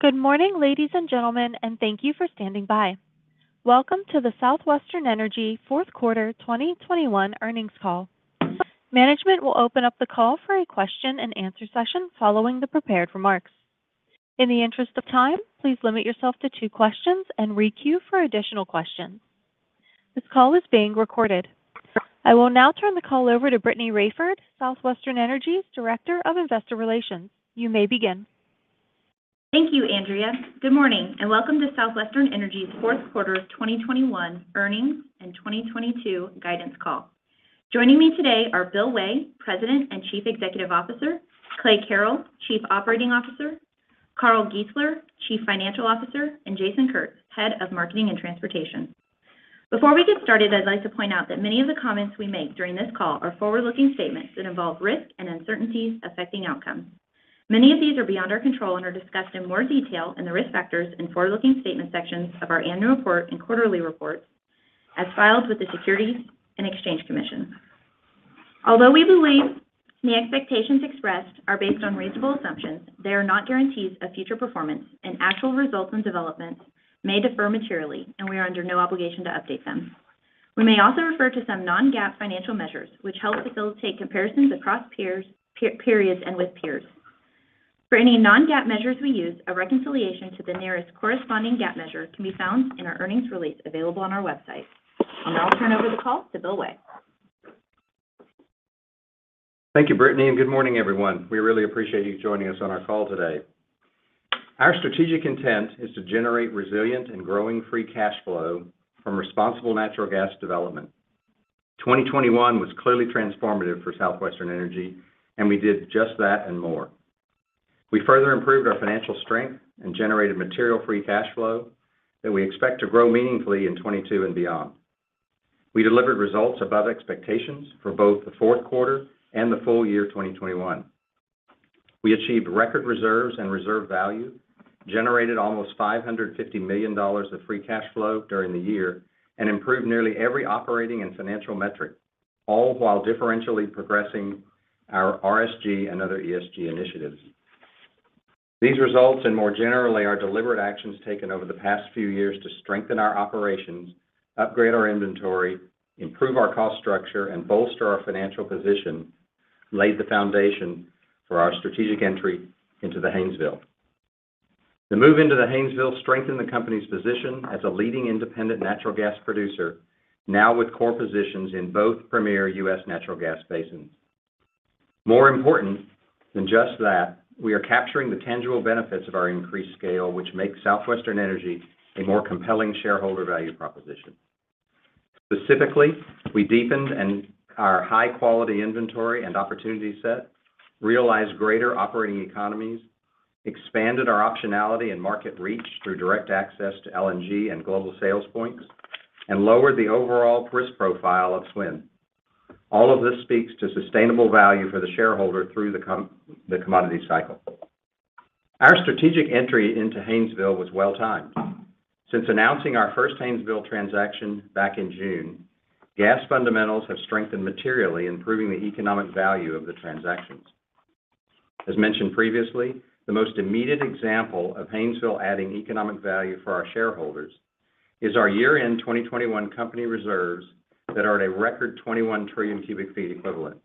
Good morning, ladies and gentlemen, and thank you for standing by. Welcome to the Southwestern Energy Fourth Quarter 2021 Earnings Call. Management will open up the call for a question-and-answer session following the prepared remarks. In the interest of time, please limit yourself to two questions and re-queue for additional questions. This call is being recorded. I will now turn the call over to Brittany Raiford, Southwestern Energy's Director of Investor Relations. You may begin. Thank you, Andrea. Good morning, and welcome to Southwestern Energy's fourth quarter of 2021 earnings and 2022 guidance call. Joining me today are Bill Way, President and Chief Executive Officer, Clay Carrell, Chief Operating Officer, Carl Giesler, Chief Financial Officer, and Jason Kurtz, Head of Marketing and Transportation. Before we get started, I'd like to point out that many of the comments we make during this call are forward-looking statements that involve risks and uncertainties affecting outcomes. Many of these are beyond our control and are discussed in more detail in the Risk Factors and Forward-Looking Statements sections of our annual report and quarterly reports as filed with the Securities and Exchange Commission. Although we believe the expectations expressed are based on reasonable assumptions, they are not guarantees of future performance, and actual results and developments may differ materially, and we are under no obligation to update them. We may also refer to some non-GAAP financial measures, which help facilitate comparisons across periods and with peers. For any non-GAAP measures we use, a reconciliation to the nearest corresponding GAAP measure can be found in our earnings release available on our website. I'll now turn over the call to Bill Way. Thank you, Brittany, and good morning, everyone. We really appreciate you joining us on our call today. Our strategic intent is to generate resilient and growing free cash flow from responsible natural gas development. 2021 was clearly transformative for Southwestern Energy. We did just that and more. We further improved our financial strength and generated material free cash flow that we expect to grow meaningfully in 2022 and beyond. We delivered results above expectations for both the fourth quarter and the full year 2021. We achieved record reserves and reserve value, generated almost $550 million of free cash flow during the year, and improved nearly every operating and financial metric, all while differentially progressing our RSG and other ESG initiatives. These results, and more generally, our deliberate actions taken over the past few years to strengthen our operations, upgrade our inventory, improve our cost structure, and bolster our financial position, laid the foundation for our strategic entry into the Haynesville. The move into the Haynesville strengthened the company's position as a leading independent natural gas producer, now with core positions in both premier U.S. natural gas basins. More important than just that, we are capturing the tangible benefits of our increased scale, which makes Southwestern Energy a more compelling shareholder value proposition. Specifically, we deepened our high-quality inventory and opportunity set, realized greater operating economies, expanded our optionality and market reach through direct access to LNG and global sales points, and lowered the overall risk profile of SWN. All of this speaks to sustainable value for the shareholder through the commodity cycle. Our strategic entry into Haynesville was well-timed. Since announcing our first Haynesville transaction back in June, gas fundamentals have strengthened materially, improving the economic value of the transactions. As mentioned previously, the most immediate example of Haynesville adding economic value for our shareholders is our year-end 2021 company reserves that are at a record 21 trillion cu ft equivalent.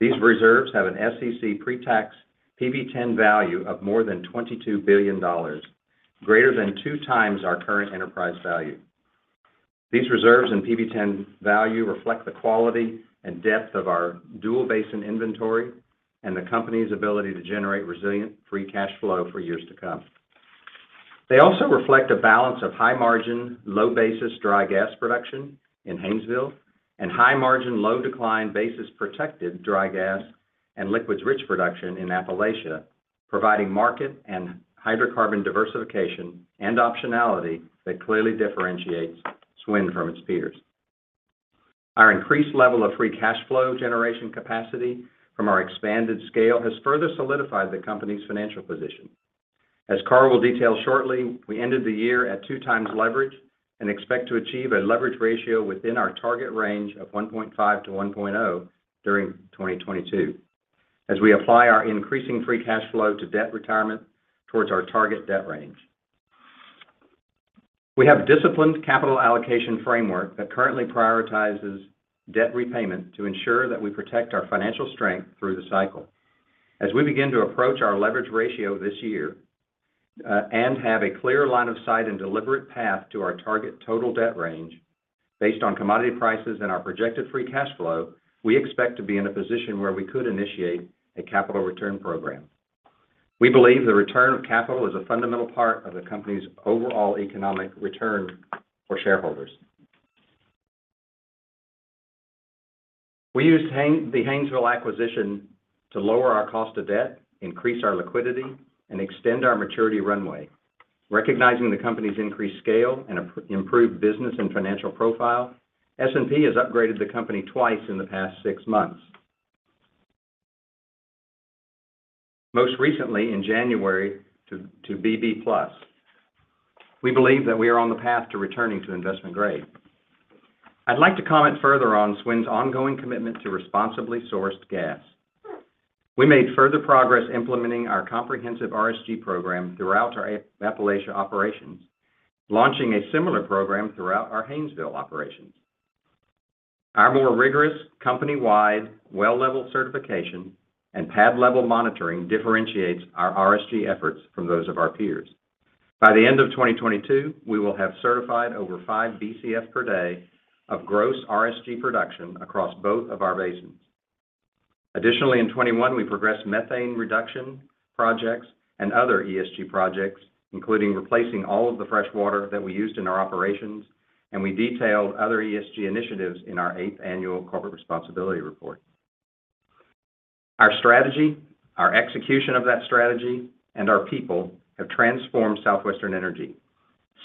These reserves have an SEC pre-tax PV-10 value of more than $22 billion, greater than 2x our current enterprise value. These reserves and PV-10 value reflect the quality and depth of our dual-basin inventory and the company's ability to generate resilient free cash flow for years to come. They also reflect a balance of high margin, low basis dry gas production in Haynesville and high margin, low decline basis protected dry gas and liquids rich production in Appalachia, providing market and hydrocarbon diversification and optionality that clearly differentiates SWN from its peers. Our increased level of free cash flow generation capacity from our expanded scale has further solidified the company's financial position. As Carl will detail shortly, we ended the year at 2x leverage and expect to achieve a leverage ratio within our target range of 1.5-1.0 during 2022 as we apply our increasing free cash flow to debt retirement towards our target debt range. We have a disciplined capital allocation framework that currently prioritizes debt repayment to ensure that we protect our financial strength through the cycle. As we begin to approach our leverage ratio this year, and have a clear line of sight and deliberate path to our target total debt range based on commodity prices and our projected free cash flow, we expect to be in a position where we could initiate a capital return program. We believe the return of capital is a fundamental part of the company's overall economic return for shareholders. We used the Haynesville acquisition to lower our cost of debt, increase our liquidity, and extend our maturity runway. Recognizing the company's increased scale and improved business and financial profile, S&P has upgraded the company twice in the past six months. Most recently in January to BB+. We believe that we are on the path to returning to investment grade. I'd like to comment further on SWN's ongoing commitment to responsibly sourced gas. We made further progress implementing our comprehensive RSG program throughout our Appalachia operations, launching a similar program throughout our Haynesville operations. Our more rigorous company-wide, well-level certification and pad-level monitoring differentiates our RSG efforts from those of our peers. By the end of 2022, we will have certified over 5 Bcf per day of gross RSG production across both of our basins. Additionally, in 2021, we progressed methane reduction projects and other ESG projects, including replacing all of the fresh water that we used in our operations, and we detailed other ESG initiatives in our eighth annual corporate responsibility report. Our strategy, our execution of that strategy, and our people have transformed Southwestern Energy,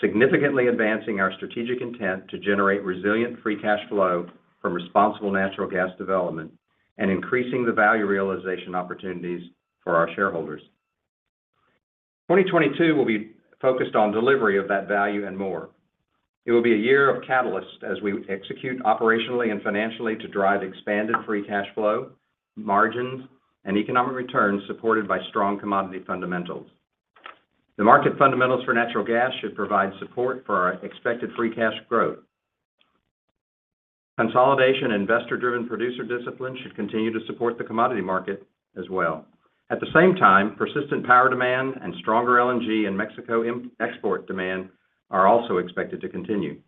significantly advancing our strategic intent to generate resilient free cash flow from responsible natural gas development and increasing the value realization opportunities for our shareholders. 2022 will be focused on delivery of that value and more. It will be a year of catalyst as we execute operationally and financially to drive expanded free cash flow, margins, and economic returns supported by strong commodity fundamentals. The market fundamentals for natural gas should provide support for our expected free cash growth. Consolidation and investor-driven producer discipline should continue to support the commodity market as well. At the same time, persistent power demand and stronger LNG and Mexico import-export demand are also expected to continue.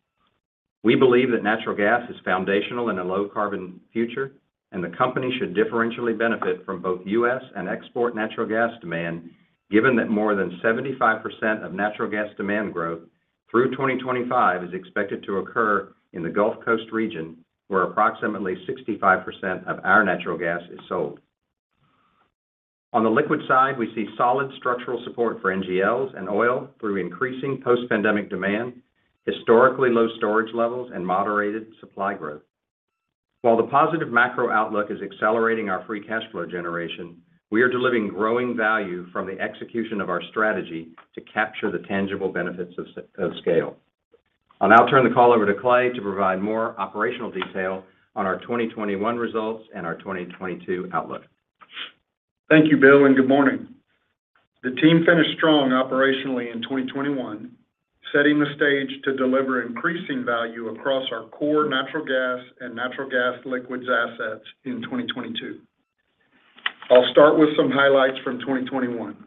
We believe that natural gas is foundational in a low carbon future, and the company should differentially benefit from both U.S. and export natural gas demand, given that more than 75% of natural gas demand growth through 2025 is expected to occur in the Gulf Coast region, where approximately 65% of our natural gas is sold. On the liquid side, we see solid structural support for NGLs and oil through increasing post-pandemic demand, historically low storage levels, and moderated supply growth. While the positive macro outlook is accelerating our free cash flow generation, we are delivering growing value from the execution of our strategy to capture the tangible benefits of scale. I'll now turn the call over to Clay to provide more operational detail on our 2021 results and our 2022 outlook. Thank you, Bill, and good morning. The team finished strong operationally in 2021, setting the stage to deliver increasing value across our core natural gas and natural gas liquids assets in 2022. I'll start with some highlights from 2021.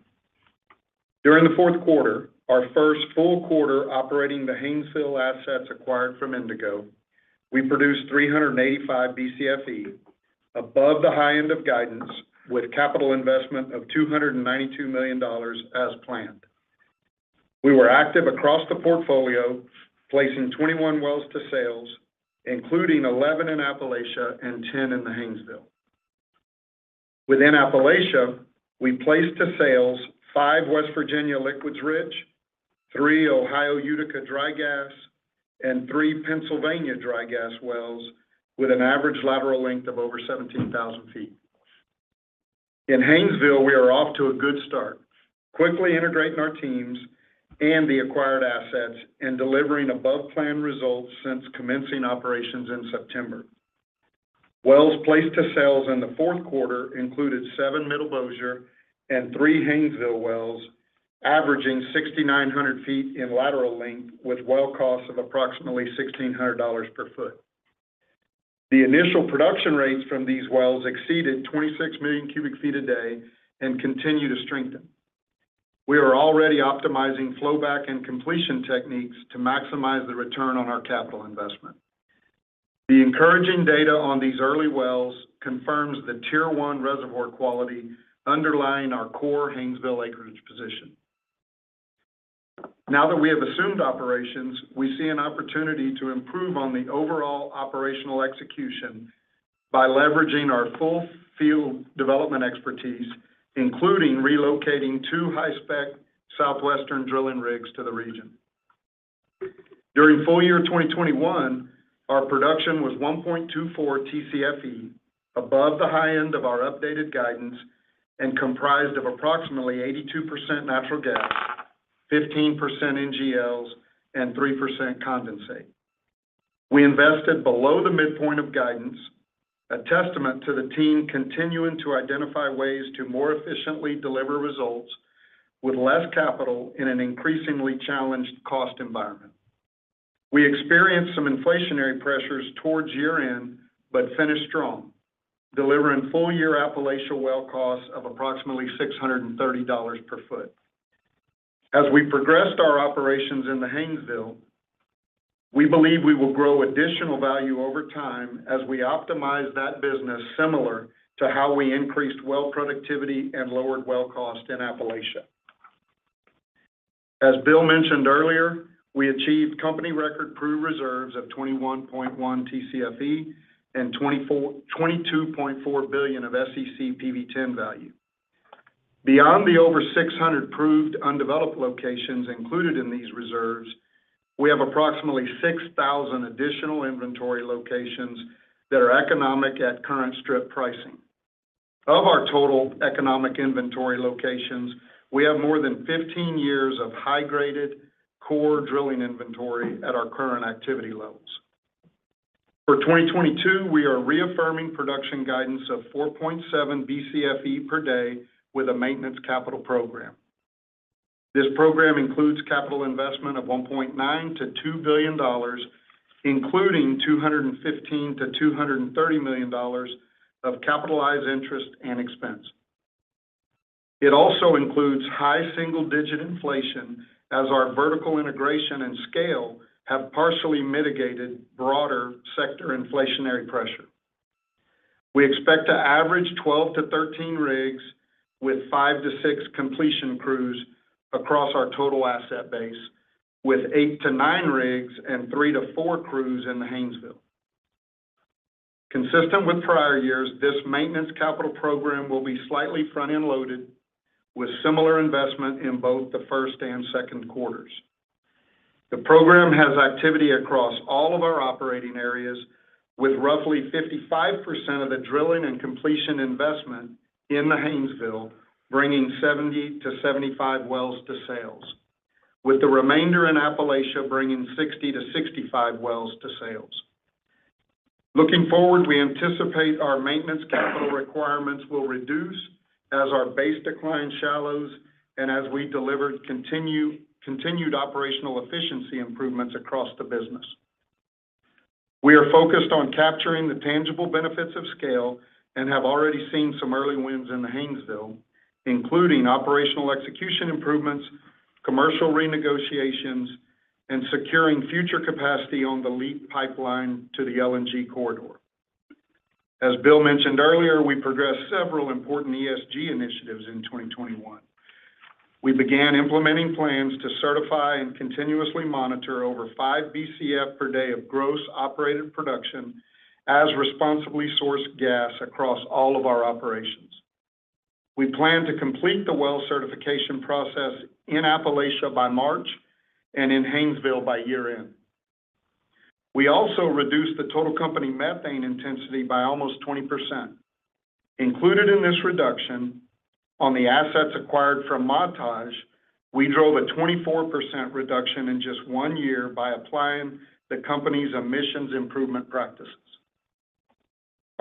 During the fourth quarter, our first full quarter operating the Haynesville assets acquired from Indigo, we produced 385 Bcfe above the high end of guidance with capital investment of $292 million as planned. We were active across the portfolio, placing 21 wells to sales, including 11 in Appalachia and 10 in the Haynesville. Within Appalachia, we placed to sales five West Virginia liquids rich, three Ohio Utica dry gas, and three Pennsylvania dry gas wells with an average lateral length of over 17,000 ft. In Haynesville, we are off to a good start, quickly integrating our teams and the acquired assets and delivering above plan results since commencing operations in September. Wells placed to sales in the fourth quarter included seven Middle Bossier and three Haynesville wells, averaging 6,900 ft in lateral length with well costs of approximately $1,600 per foot. The initial production rates from these wells exceeded 26 million cu ft a day and continue to strengthen. We are already optimizing flow back and completion techniques to maximize the return on our capital investment. The encouraging data on these early wells confirms the Tier I reservoir quality underlying our core Haynesville acreage position. Now that we have assumed operations, we see an opportunity to improve on the overall operational execution by leveraging our full field development expertise, including relocating two high-spec Southwestern drilling rigs to the region. During full year 2021, our production was 1.24 Tcfe above the high end of our updated guidance and comprised of approximately 82% natural gas, 15% NGLs, and 3% condensate. We invested below the midpoint of guidance, a testament to the team continuing to identify ways to more efficiently deliver results with less capital in an increasingly challenged cost environment. We experienced some inflationary pressures towards year-end, but finished strong, delivering full-year Appalachia well costs of approximately $630 per foot. As we progressed our operations in the Haynesville, we believe we will grow additional value over time as we optimize that business similar to how we increased well productivity and lowered well cost in Appalachia. As Bill mentioned earlier, we achieved company record proved reserves of 21.1 Tcfe and $22.4 billion of SEC PV-10 value. Beyond the over 600 proved undeveloped locations included in these reserves, we have approximately 6,000 additional inventory locations that are economic at current strip pricing. Of our total economic inventory locations, we have more than 15 years of high-graded core drilling inventory at our current activity levels. For 2022, we are reaffirming production guidance of 4.7 Bcfe per day with a maintenance capital program. This program includes capital investment of $1.9 billion-$2 billion, including $215 million-$230 million of capitalized interest and expense. It also includes high single-digit inflation as our vertical integration and scale have partially mitigated broader sector inflationary pressure. We expect to average 12 rigs-13 rigs with 5-6 completion crews across our total asset base, with 8 rigs-9 rigs and 3 crews-4 crews in the Haynesville. Consistent with prior years, this maintenance capital program will be slightly front-end loaded with similar investment in both the first and second quarters. The program has activity across all of our operating areas with roughly 55% of the drilling and completion investment in the Haynesville, bringing 70 wells-75 wells to sales, with the remainder in Appalachia bringing 60 wells-65 wells to sales. Looking forward, we anticipate our maintenance capital requirements will reduce as our base decline shallows and as we deliver continued operational efficiency improvements across the business. We are focused on capturing the tangible benefits of scale and have already seen some early wins in the Haynesville, including operational execution improvements, commercial renegotiations, and securing future capacity on the LEAP pipeline to the LNG corridor. As Bill mentioned earlier, we progressed several important ESG initiatives in 2021. We began implementing plans to certify and continuously monitor over 5 Bcf per day of gross operated production as responsibly sourced gas across all of our operations. We plan to complete the well certification process in Appalachia by March and in Haynesville by year-end. We also reduced the total company methane intensity by almost 20%. Included in this reduction on the assets acquired from Montage, we drove a 24% reduction in just one year by applying the company's emissions improvement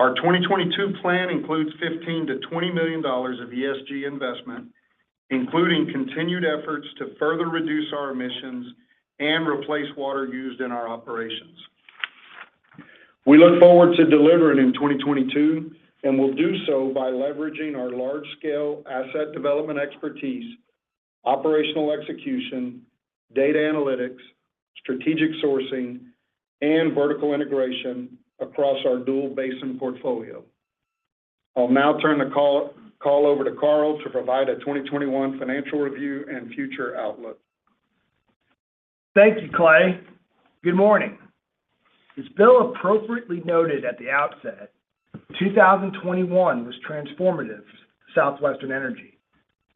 practices. Our 2022 plan includes $15 million-$20 million of ESG investment, including continued efforts to further reduce our emissions and replace water used in our operations. We look forward to delivering in 2022, and we'll do so by leveraging our large-scale asset development expertise, operational execution, data analytics, strategic sourcing, and vertical integration across our dual-basin portfolio. I'll now turn the call over to Carl to provide a 2021 financial review and future outlook. Thank you, Clay. Good morning. As Bill appropriately noted at the outset, 2021 was transformative to Southwestern Energy,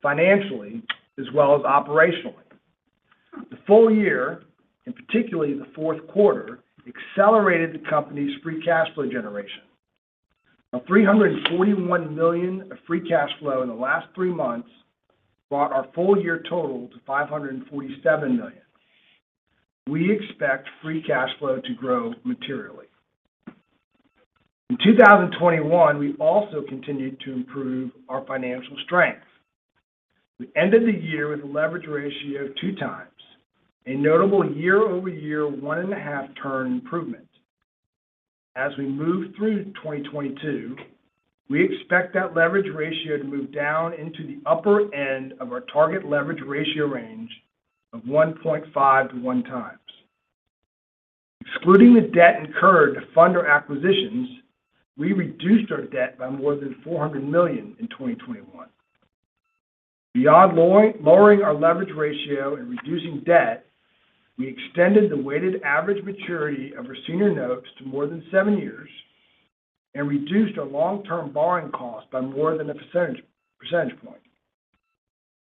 financially as well as operationally. The full year, and particularly the fourth quarter, accelerated the company's free cash flow generation. Now $341 million of free cash flow in the last three months brought our full-year total to $547 million. We expect free cash flow to grow materially. In 2021, we also continued to improve our financial strength. We ended the year with a leverage ratio of 2x, a notable year-over-year 1.5-turn improvement. As we move through 2022, we expect that leverage ratio to move down into the upper end of our target leverage ratio range of 1.5x-1x. Excluding the debt incurred to fund our acquisitions, we reduced our debt by more than $400 million in 2021. Beyond lowering our leverage ratio and reducing debt, we extended the weighted average maturity of our senior notes to more than seven years and reduced our long-term borrowing cost by more than a percentage point.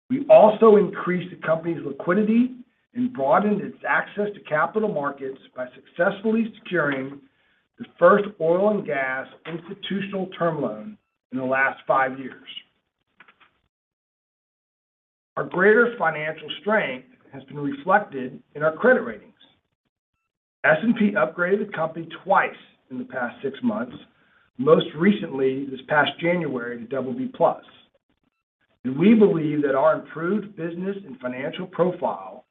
We also increased the company's liquidity and broadened its access to capital markets by successfully securing the first oil and gas institutional term loan in the last 5 years. Our greater financial strength has been reflected in our credit ratings. S&P upgraded the company twice in the past six months, most recently this past January to BB+. We believe that our improved business and financial profile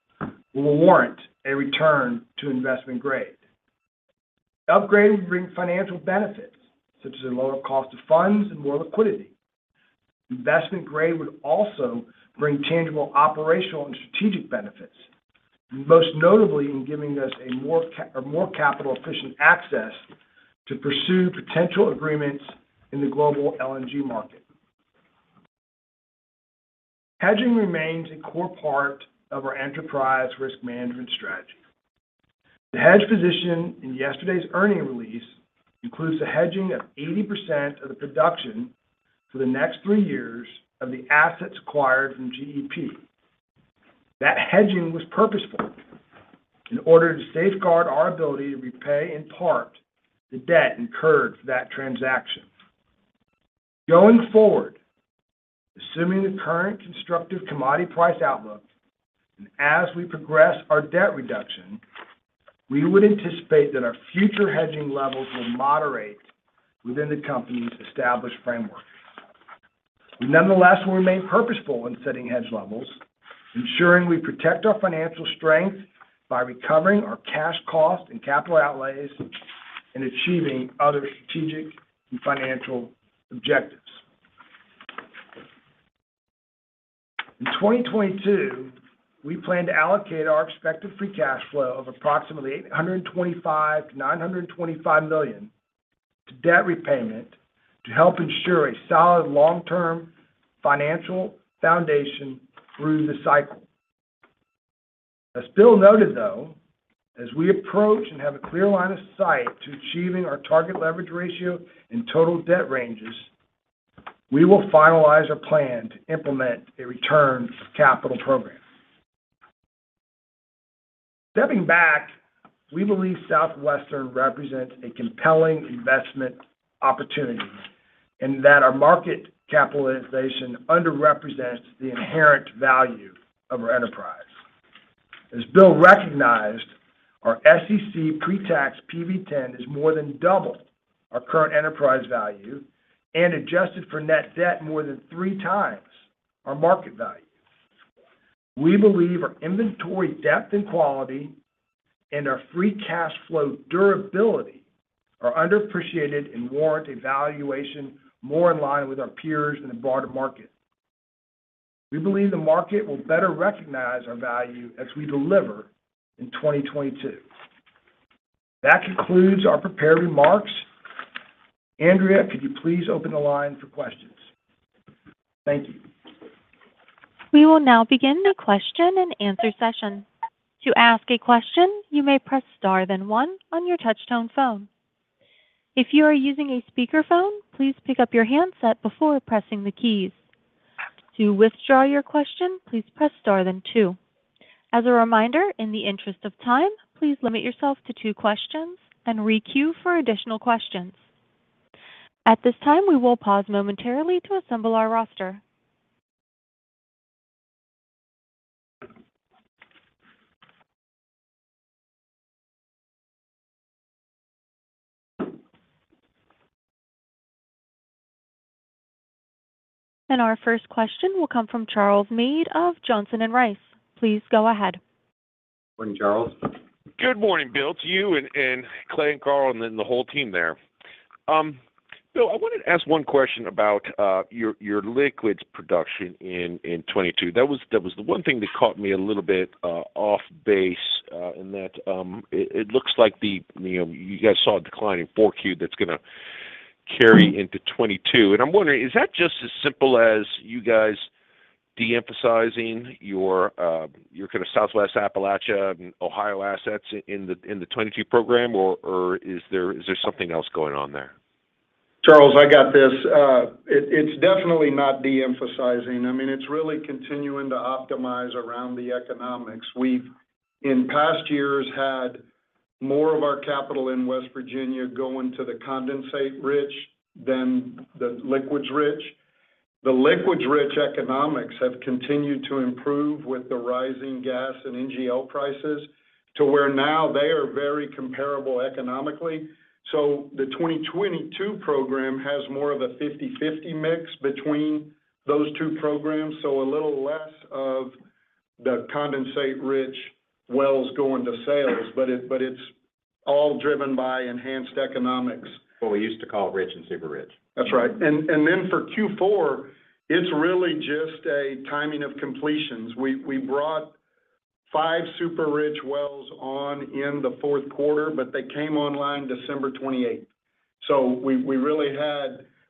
will warrant a return to investment grade. Upgrading would bring financial benefits, such as a lower cost of funds and more liquidity. Investment grade would also bring tangible operational and strategic benefits, most notably in giving us a more capital-efficient access to pursue potential agreements in the global LNG market. Hedging remains a core part of our enterprise risk management strategy. The hedge position in yesterday's earnings release includes the hedging of 80% of the production for the next three years of the assets acquired from GEP. That hedging was purposeful in order to safeguard our ability to repay, in part, the debt incurred for that transaction. Going forward, assuming the current constructive commodity price outlook, and as we progress our debt reduction, we would anticipate that our future hedging levels will moderate within the company's established framework. We nonetheless will remain purposeful in setting hedge levels, ensuring we protect our financial strength by recovering our cash cost and capital outlays and achieving other strategic and financial objectives. In 2022, we plan to allocate our expected free cash flow of approximately $825 million-$925 million to debt repayment to help ensure a solid long-term financial foundation through the cycle. As Bill noted, though, as we approach and have a clear line of sight to achieving our target leverage ratio and total debt ranges, we will finalize our plan to implement a return of capital program. Stepping back, we believe Southwestern represents a compelling investment opportunity and that our market capitalization underrepresents the inherent value of our enterprise. As Bill recognized, our SEC pre-tax PV-10 is more than double our current enterprise value and, adjusted for net debt, more than three times our market value. We believe our inventory depth and quality and our free cash flow durability are underappreciated and warrant a valuation more in line with our peers in the broader market. We believe the market will better recognize our value as we deliver in 2022. That concludes our prepared remarks. Andrea, could you please open the line for questions? Thank you. We will now begin the question and answer session. To ask a question, you may press star then one on your touchtone phone. If you are using a speakerphone, please pick up your handset before pressing the keys. To withdraw your question, please press star then two. As a reminder, in the interest of time, please limit yourself to two questions and re-queue for additional questions. At this time, we will pause momentarily to assemble our roster. Our first question will come from Charles Meade of Johnson Rice. Please go ahead. Morning, Charles. Good morning, Bill, to you and Clay and Carl and then the whole team there. Bill, I wanted to ask one question about your liquids production in 2022. That was the one thing that caught me a little bit off base in that it looks like you know you guys saw a decline in 4Q that's gonna carry into 2022. I'm wondering, is that just as simple as you guys de-emphasizing your kind of Southwest Appalachia and Ohio assets in the 2022 program, or is there something else going on there? Charles, I got this. It's definitely not de-emphasizing. I mean, it's really continuing to optimize around the economics. We've, in past years, had more of our capital in West Virginia going to the condensate rich than the liquids rich. The liquids rich economics have continued to improve with the rising gas and NGL prices to where now they are very comparable economically. The 2022 program has more of a 50/50 mix between those two programs. A little less of the condensate rich wells going to sales, but it, but it's all driven by enhanced economics. What we used to call rich and super rich. That's right. For Q4, it's really just a timing of completions. We brought five super rich wells on in the fourth quarter, but they came online December 28th. We really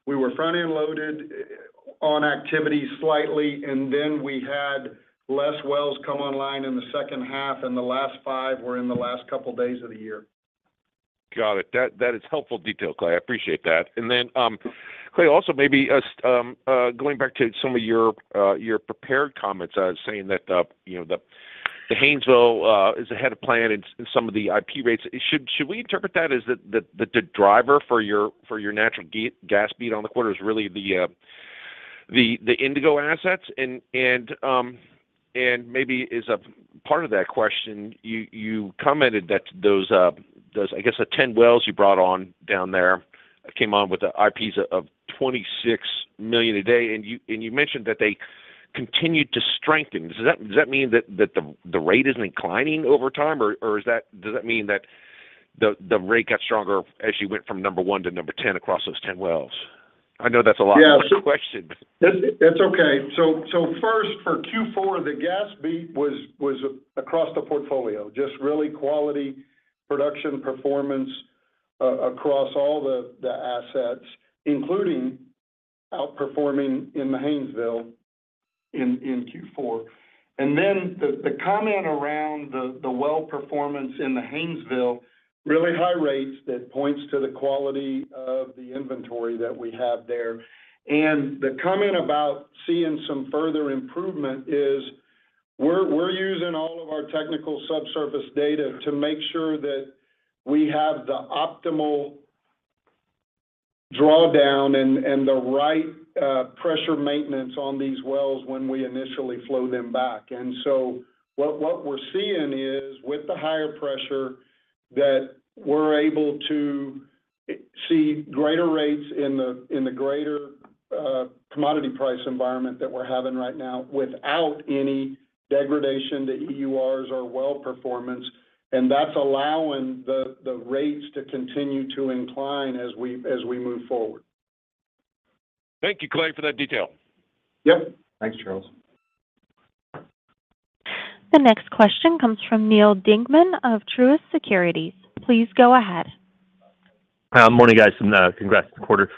were front-end loaded on activity slightly, and then we had less wells come online in the second half, and the last five were in the last couple days of the year. Got it. That is helpful detail, Clay. I appreciate that. Clay, also maybe us going back to some of your prepared comments saying that you know the Haynesville is ahead of plan in some of the IP rates. Should we interpret that as the driver for your natural gas beat on the quarter is really the Indigo assets? Maybe as a part of that question, you commented that those I guess the 10 wells you brought on down there came on with the IPs of 26 million a day, and you mentioned that they continued to strengthen. Does that mean that the rate is inclining over time, or does that mean that the rate got stronger as you went from number one to number 10 across those 10 wells? I know that's a lot of questions. Yeah. That's okay. First, for Q4, the gas beat was across the portfolio, just really quality production performance across all the assets, including outperforming in the Haynesville in Q4. Then the comment around the well performance in the Haynesville, really high rates that points to the quality of the inventory that we have there. The comment about seeing some further improvement is We're using all of our technical subsurface data to make sure that we have the optimal drawdown and the right pressure maintenance on these wells when we initially flow them back. What we're seeing is, with the higher pressure, that we're able to see greater rates in the greater commodity price environment that we're having right now without any degradation to EURs or well performance. That's allowing the rates to continue to incline as we move forward. Thank you, Clay, for that detail. Yep. Thanks, Charles. The next question comes from Neal Dingmann of Truist Securities. Please go ahead. Hi. Morning, guys, and congrats on the quarter.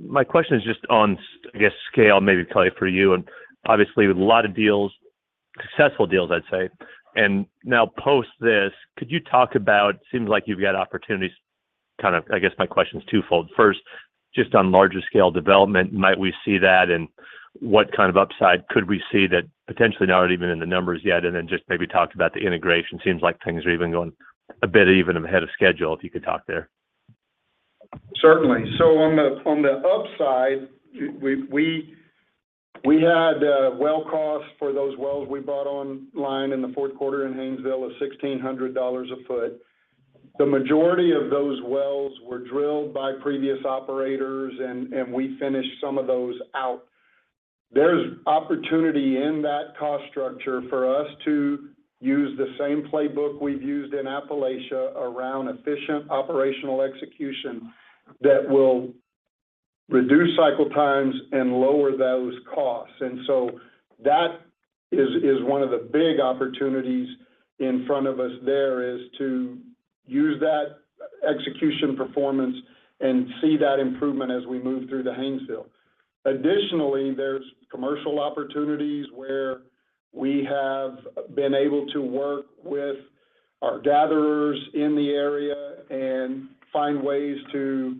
My question is just on, I guess, scale, maybe, Clay, for you. Obviously, with a lot of deals, successful deals, I'd say, and now post this, could you talk about. Seems like you've got opportunities kind of. I guess my question's twofold. First, just on larger scale development, might we see that, and what kind of upside could we see that potentially not even in the numbers yet? Then just maybe talk about the integration. Seems like things are even going a bit ahead of schedule, if you could talk there. Certainly. On the upside, we had well costs for those wells we brought online in the fourth quarter in Haynesville of $1,600 a foot. The majority of those wells were drilled by previous operators, and we finished some of those out. There's opportunity in that cost structure for us to use the same playbook we've used in Appalachia around efficient operational execution that will reduce cycle times and lower those costs. That is one of the big opportunities in front of us there, to use that execution performance and see that improvement as we move through the Haynesville. Additionally, there's commercial opportunities where we have been able to work with our gatherers in the area and find ways to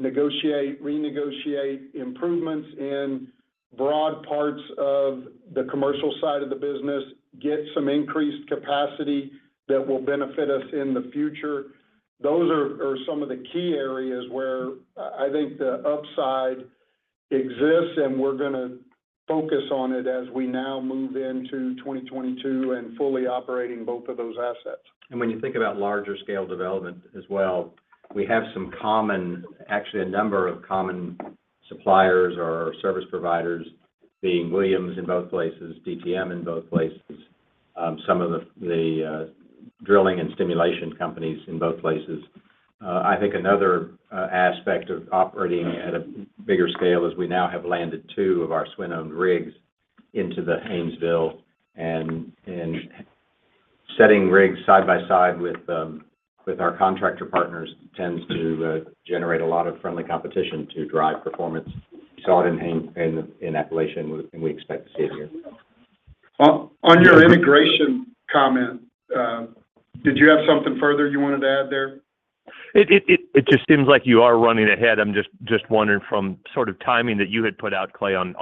negotiate, renegotiate improvements in broad parts of the commercial side of the business, get some increased capacity that will benefit us in the future. Those are some of the key areas where I think the upside exists, and we're gonna focus on it as we now move into 2022 and fully operating both of those assets. When you think about larger scale development as well, we have some common, actually a number of common suppliers or service providers, being Williams in both places, DTM in both places, some of the drilling and stimulation companies in both places. I think another aspect of operating at a bigger scale is we now have landed two of our SWN owned rigs into the Haynesville. Setting rigs side by side with our contractor partners tends to generate a lot of friendly competition to drive performance. We saw it in Appalachia and we expect to see it here. On your integration comment, did you have something further you wanted to add there? It just seems like you are running ahead. I'm just wondering from sort of timing that you had put out, Clay, on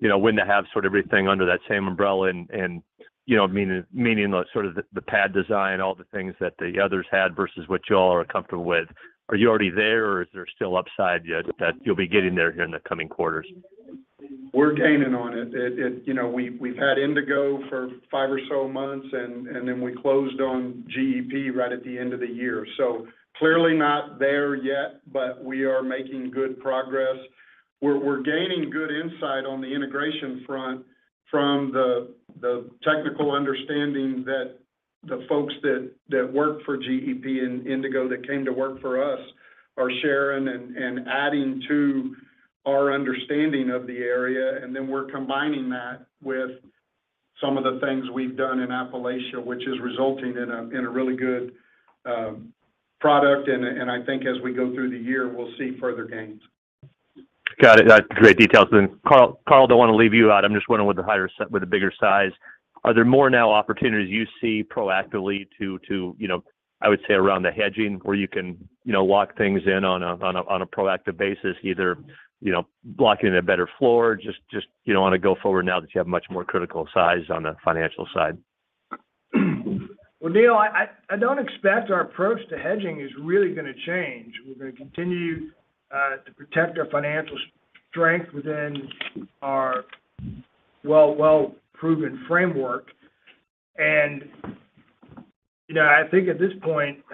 you know, when to have sort of everything under that same umbrella and, you know, meaning the sort of pad design, all the things that the others had versus what y'all are comfortable with. Are you already there, or is there still upside yet that you'll be getting there here in the coming quarters? We're gaining on it. You know, we've had Indigo for five or so months, and then we closed on GEP right at the end of the year. Clearly not there yet, but we are making good progress. We're gaining good insight on the integration front from the technical understanding that the folks that work for GEP and Indigo that came to work for us are sharing and adding to our understanding of the area. Then we're combining that with some of the things we've done in Appalachia, which is resulting in a really good product. I think as we go through the year, we'll see further gains. Got it. That's great details then. Carl, don't want to leave you out. I'm just wondering with the bigger size, are there more now opportunities you see proactively to, you know, I would say around the hedging where you can, you know, lock things in on a proactive basis, either, you know, blocking a better floor, just, you know, want to go forward now that you have much more critical size on the financial side? Well, Neal, I don't expect our approach to hedging is really gonna change. We're gonna continue to protect our financial strength within our well-proven framework. You know, I think at this point,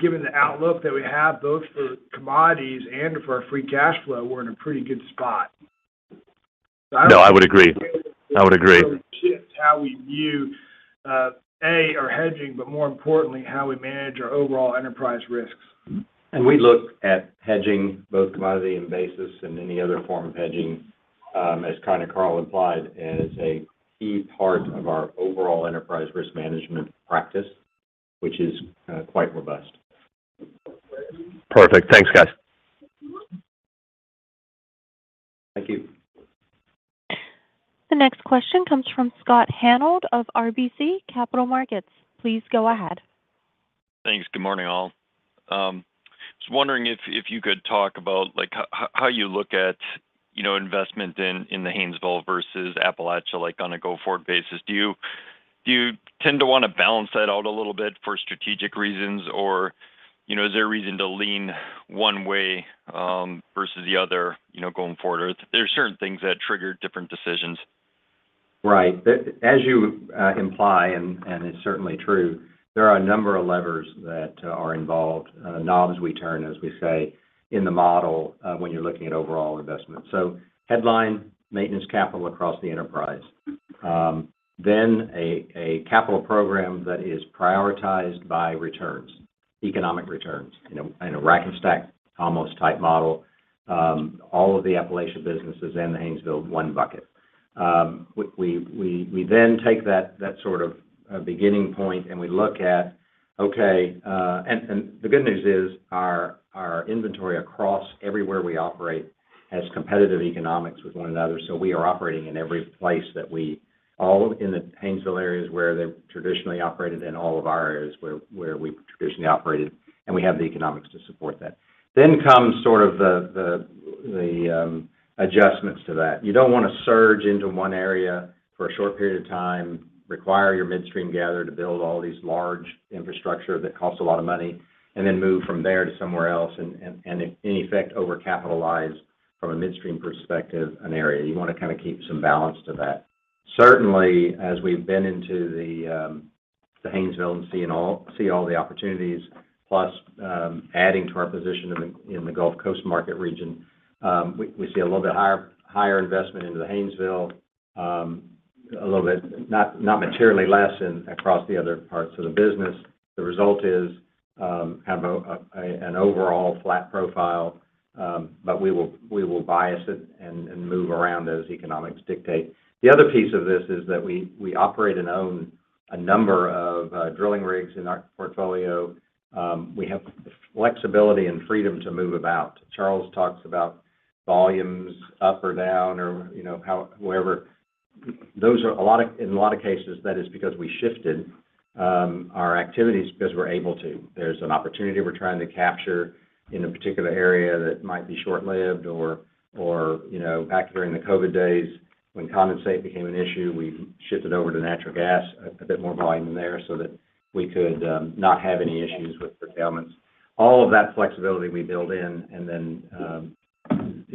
given the outlook that we have both for commodities and for our free cash flow, we're in a pretty good spot. I don't- No, I would agree. Shift how we view our hedging, but more importantly, how we manage our overall enterprise risks. We look at hedging both commodity and basis and any other form of hedging, as kind of Carl implied, as a key part of our overall enterprise risk management practice, which is quite robust. Perfect. Thanks, guys. Thank you. The next question comes from Scott Hanold of RBC Capital Markets. Please go ahead. Thanks. Good morning, all. I was wondering if you could talk about, like, how you look at, you know, investment in the Haynesville versus Appalachia, like, on a go-forward basis. Do you tend to want to balance that out a little bit for strategic reasons? You know, is there a reason to lean one way versus the other, you know, going forward? There's certain things that trigger different decisions. Right. As you imply, and it's certainly true, there are a number of levers that are involved, knobs we turn, as we say, in the model, when you're looking at overall investment. Headline maintenance capital across the enterprise. A capital program that is prioritized by returns, economic returns in a rack-and-stack almost type model. All of the Appalachia businesses and the Haynesville one bucket. We then take that sort of beginning point, and we look at. The good news is our inventory across everywhere we operate has competitive economics with one another, so we are operating in every place that we all in the Haynesville areas where they've traditionally operated in all of our areas where we've traditionally operated, and we have the economics to support that. Comes sort of the adjustments to that. You don't want to surge into one area for a short period of time, require your midstream gather to build all these large infrastructure that costs a lot of money, and then move from there to somewhere else, and in effect, overcapitalize, from a midstream perspective, an area. You want to kind of keep some balance to that. Certainly, as we've been into the Haynesville and seeing all the opportunities, plus adding to our position in the Gulf Coast market region, we see a little bit higher investment into the Haynesville, a little bit not materially less in across the other parts of the business. The result is kind of an overall flat profile, but we will bias it and move around as economics dictate. The other piece of this is that we operate and own a number of drilling rigs in our portfolio. We have flexibility and freedom to move about. Charles talks about volumes up or down or, you know, however. In a lot of cases, that is because we shifted our activities because we're able to. There's an opportunity we're trying to capture in a particular area that might be short-lived or, you know, back during the COVID days when condensate became an issue, we shifted over to natural gas, a bit more volume there, so that we could not have any issues with curtailments. All of that flexibility we build in and then,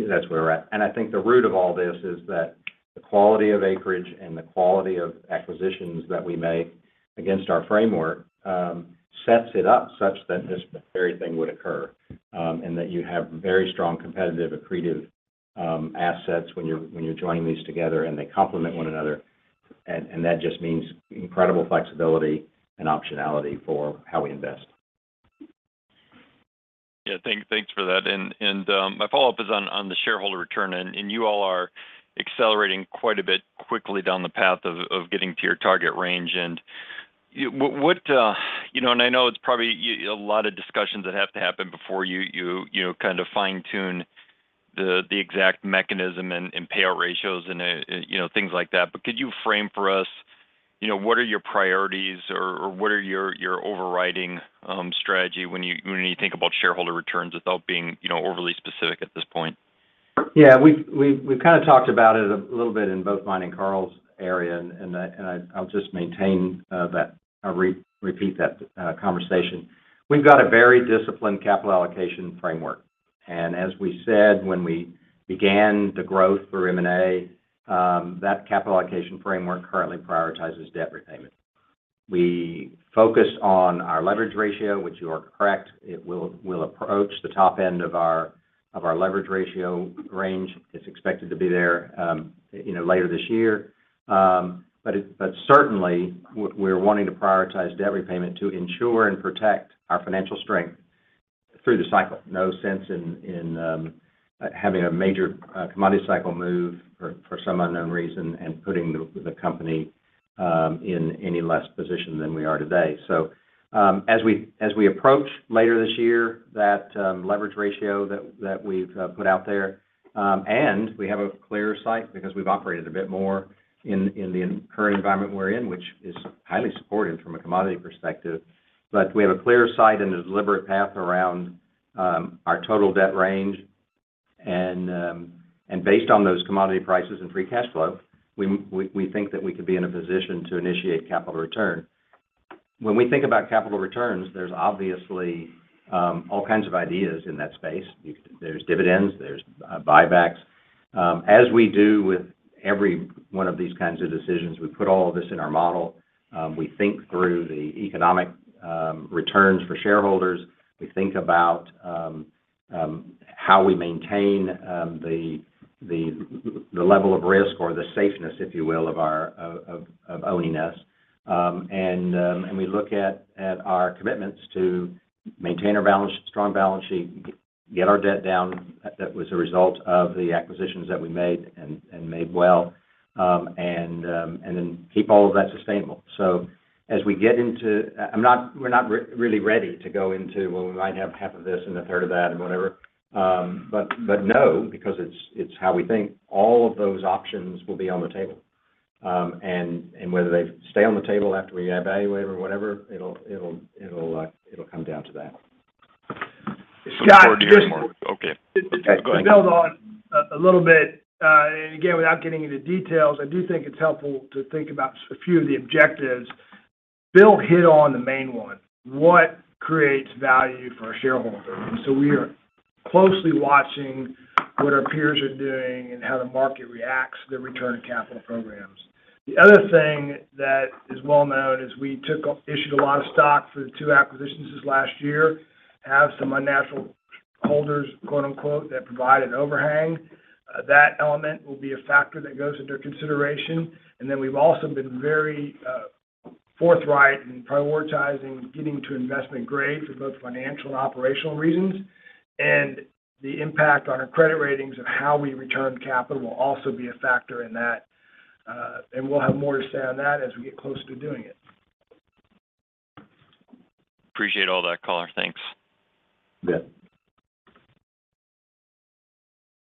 that's where we're at. I think the root of all this is that the quality of acreage and the quality of acquisitions that we make against our framework sets it up such that this very thing would occur, and that you have very strong competitive, accretive assets when you're joining these together, and they complement one another. That just means incredible flexibility and optionality for how we invest. Yeah. Thanks for that. My follow-up is on the shareholder return, and you all are accelerating quite a bit quickly down the path of getting to your target range. You know, I know it's probably a lot of discussions that have to happen before you know kind of fine-tune the exact mechanism and payout ratios and you know, things like that. But could you frame for us, you know, what are your priorities or what are your overriding strategy when you think about shareholder returns without being, you know, overly specific at this point? Yeah. We've kind of talked about it a little bit in both mine and Carl's area. I'll just maintain that. I'll repeat that conversation. We've got a very disciplined capital allocation framework. As we said when we began the growth through M&A, that capital allocation framework currently prioritizes debt repayment. We focus on our leverage ratio, which you are correct, we'll approach the top end of our leverage ratio range. It's expected to be there, you know, later this year. Certainly, we're wanting to prioritize debt repayment to ensure and protect our financial strength through the cycle. No sense in having a major commodity cycle move for some unknown reason and putting the company in any less position than we are today. As we approach later this year that leverage ratio that we've put out there, we have a clear sight because we've operated a bit more in the current environment we're in, which is highly supportive from a commodity perspective. We have a clear sight and a deliberate path around our total debt range. Based on those commodity prices and free cash flow, we think that we could be in a position to initiate capital return. When we think about capital returns, there's obviously all kinds of ideas in that space. There's dividends, there's buybacks. As we do with every one of these kinds of decisions, we put all of this in our model. We think through the economic returns for shareholders. We think about how we maintain the level of risk or the safeness, if you will, of our ownership and we look at our commitments to maintain our strong balance sheet, get our debt down. That was a result of the acquisitions that we made and made well and then keep all of that sustainable. As we get into, we're not really ready to go into, "Well, we might have half of this and a third of that and whatever". No, because it's how we think, all of those options will be on the table and whether they stay on the table after we evaluate or whatever, it'll come down to that. Scott, Looking forward to hearing more. Okay. Go ahead. To build on a little bit, and again, without getting into details, I do think it's helpful to think about a few of the objectives. Bill hit on the main one. What creates value for our shareholders? We are closely watching what our peers are doing and how the market reacts to the return of capital programs. The other thing that is well known is we issued a lot of stock for the two acquisitions this last year, have some unnatural holders, quote-unquote, that provide an overhang. That element will be a factor that goes under consideration. We've also been very forthright in prioritizing getting to investment grade for both financial and operational reasons. The impact on our credit ratings of how we return capital will also be a factor in that. We'll have more to say on that as we get closer to doing it. Appreciate all that, caller. Thanks. You bet.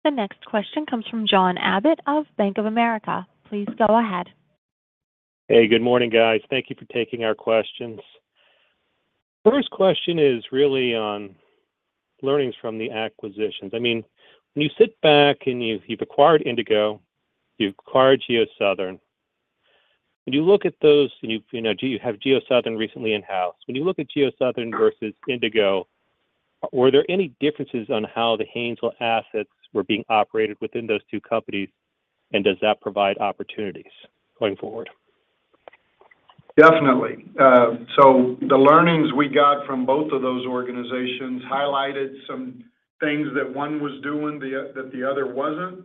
The next question comes from John Abbott of Bank of America. Please go ahead. Hey, good morning, guys. Thank you for taking our questions. First question is really on learnings from the acquisitions. I mean, when you sit back and you've acquired Indigo, you acquired GeoSouthern Energy. When you look at those, you know, you have GeoSouthern Energy recently in-house. When you look at GeoSouthern Energy versus Indigo, were there any differences on how the Haynesville assets were being operated within those two companies? And does that provide opportunities going forward? Definitely. So the learnings we got from both of those organizations highlighted some things that one was doing the other wasn't,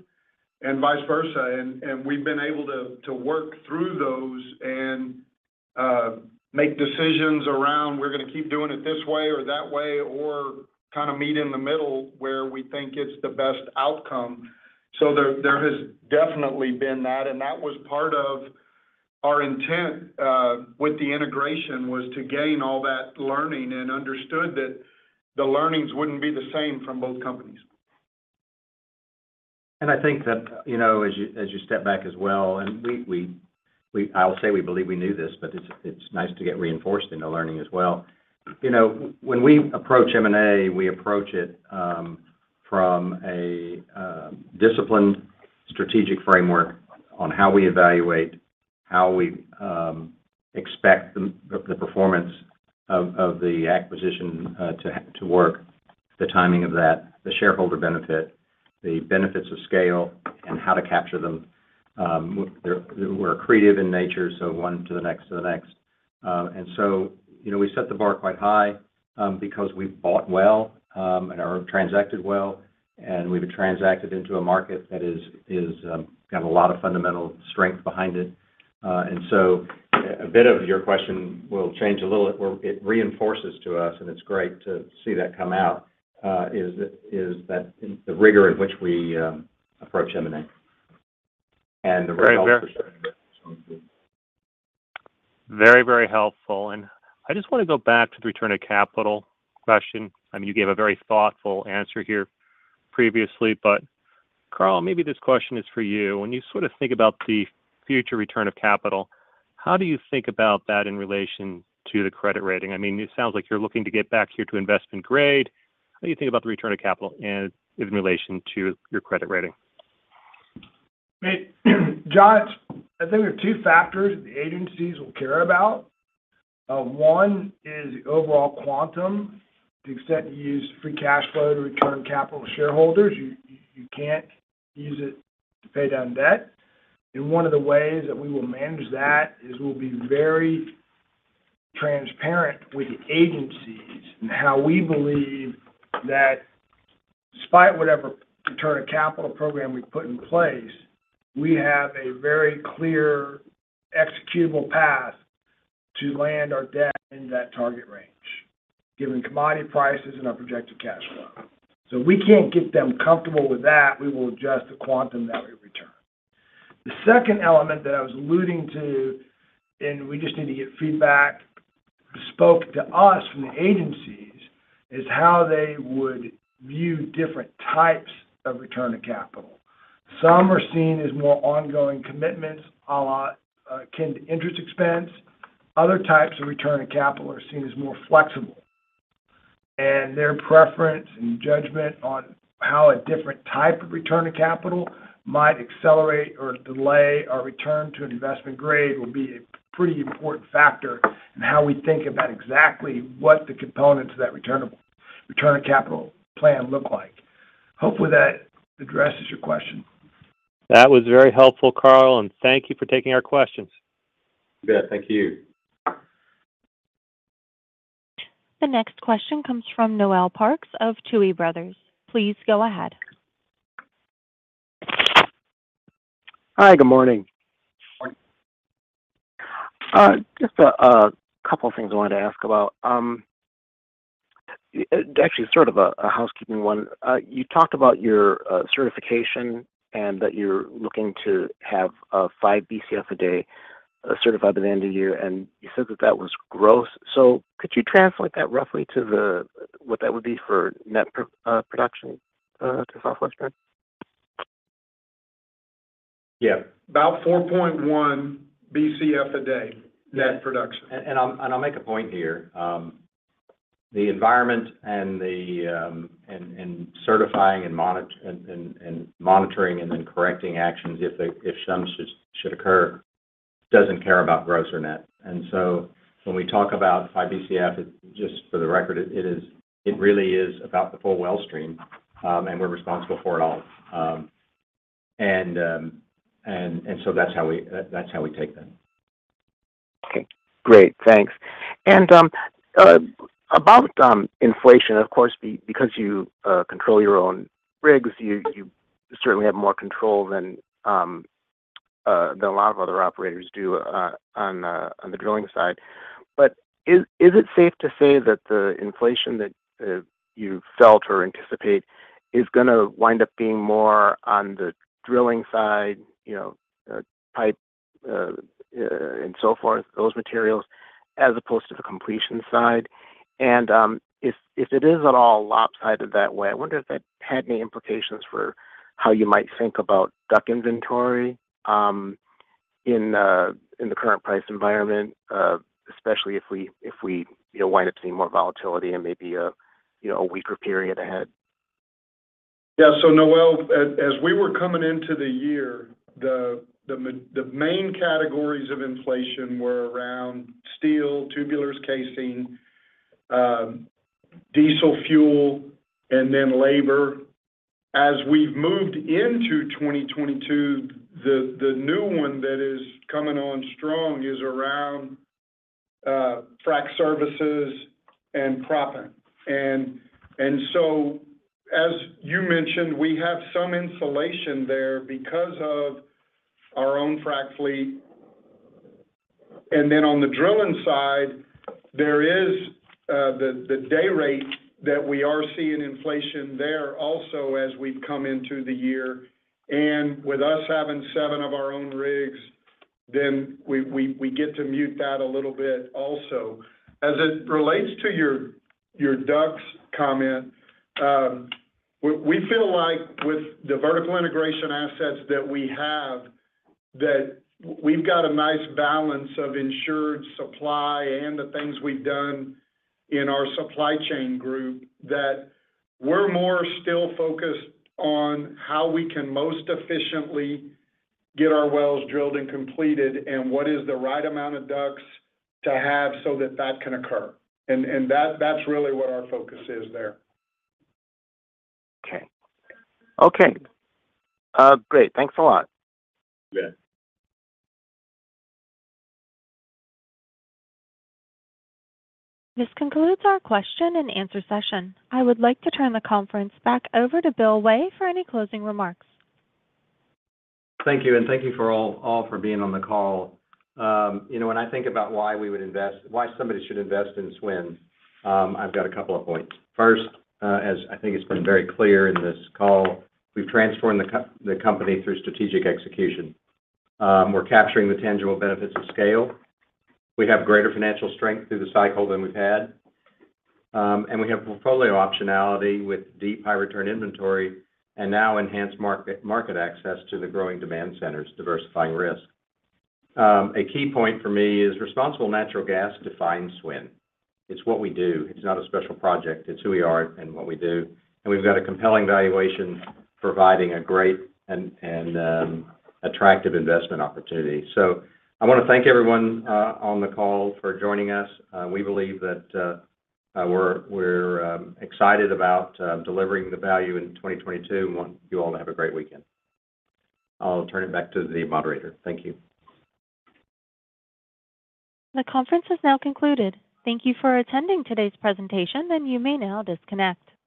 and vice versa. We've been able to work through those and make decisions around, we're gonna keep doing it this way or that way or kind of meet in the middle where we think it's the best outcome. There has definitely been that, and that was part of our intent with the integration was to gain all that learning and understood that the learnings wouldn't be the same from both companies. I think that, you know, as you step back as well, we believe we knew this, but it's nice to get reinforced in the learning as well. You know, when we approach M&A, we approach it from a disciplined strategic framework on how we evaluate, how we expect the performance of the acquisition to work, the timing of that, the shareholder benefit, the benefits of scale, and how to capture them. We're creative in nature, so one to the next to the next. You know, we set the bar quite high because we've bought well and/or transacted well, and we've transacted into a market that has got a lot of fundamental strength behind it. A bit of your question will change a little. It reinforces to us, and it's great to see that come out, is that the rigor in which we approach M&A. The results. Very, very helpful. I just want to go back to the return of capital question. I mean, you gave a very thoughtful answer here previously. Carl, maybe this question is for you. When you sort of think about the future return of capital, how do you think about that in relation to the credit rating? I mean, it sounds like you're looking to get back here to investment grade. How do you think about the return of capital and in relation to your credit rating? John, I think there are two factors the agencies will care about. One is the overall quantum to the extent you use free cash flow to return capital to shareholders. You can't use it to pay down debt. One of the ways that we will manage that is we'll be very transparent with the agencies in how we believe that despite whatever return of capital program we put in place, we have a very clear executable path to land our debt in that target range, given commodity prices and our projected cash flow. If we can't get them comfortable with that, we will adjust the quantum that we return. The second element that I was alluding to, and we just need to get feedback bespoke to us from the agencies, is how they would view different types of return of capital. Some are seen as more ongoing commitments, akin to interest expense. Other types of return of capital are seen as more flexible. Their preference and judgment on how a different type of return of capital might accelerate or delay our return to an investment grade will be a pretty important factor in how we think about exactly what the components of that return of capital plan look like. Hopefully that addresses your question. That was very helpful, Carl, and thank you for taking our questions. You bet. Thank you. The next question comes from Noel Parks of Tuohy Brothers. Please go ahead. Hi. Good morning. Morning. Just a couple things I wanted to ask about. Actually sort of a housekeeping one. You talked about your certification and that you're looking to have 5 Bcf a day. Certified at the end of the year, and you said that that was gross. Could you translate that roughly to what that would be for net production to Southwestern Energy? Yeah. About 4.1 Bcf a day net production. I'll make a point here. The environment and the certifying and monitoring and then correcting actions if some should occur doesn't care about gross or net. When we talk about 5 Bcf, just for the record, it really is about the full well stream, and we're responsible for it all. That's how we take that. Okay, great. Thanks. About inflation, of course because you control your own rigs, you certainly have more control than a lot of other operators do on the drilling side. Is it safe to say that the inflation that you felt or anticipate is gonna wind up being more on the drilling side, you know, pipe and so forth, those materials as opposed to the completion side? If it is at all lopsided that way, I wonder if that had any implications for how you might think about DUC inventory in the current price environment, especially if we, you know, wind up seeing more volatility and maybe a, you know, a weaker period ahead. Yeah. Noel, as we were coming into the year, the main categories of inflation were around steel, tubulars, casing, diesel fuel, and then labor. As we've moved into 2022, the new one that is coming on strong is around frack services and proppant. So as you mentioned, we have some insulation there because of our own frack fleet. Then on the drilling side, there is the day rate that we are seeing inflation there also as we've come into the year. With us having seven of our own rigs, we get to mute that a little bit also. As it relates to your DUCs comment, we feel like with the vertical integration assets that we have, that we've got a nice balance of insured supply and the things we've done in our supply chain group that we're more still focused on how we can most efficiently get our wells drilled and completed and what is the right amount of DUCs to have so that that can occur. That's really what our focus is there. Okay. Great. Thanks a lot. You bet. This concludes our question and answer session. I would like to turn the conference back over to Bill Way for any closing remarks. Thank you, and thank you all for being on the call. You know, when I think about why somebody should invest in SWN, I've got a couple of points. First, as I think it's been very clear in this call, we've transformed the company through strategic execution. We're capturing the tangible benefits of scale. We have greater financial strength through the cycle than we've had. We have portfolio optionality with deep high return inventory and now enhanced market access to the growing demand centers diversifying risk. A key point for me is responsible natural gas defines SWN. It's what we do. It's not a special project. It's who we are and what we do. We've got a compelling valuation providing a great and attractive investment opportunity. I wanna thank everyone on the call for joining us. We believe that we're excited about delivering the value in 2022 and want you all to have a great weekend. I'll turn it back to the moderator. Thank you. The conference has now concluded. Thank you for attending today's presentation, and you may now disconnect.